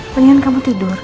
palingan kamu tidur